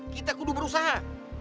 kita kudu berusaha